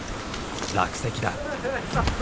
落石だ。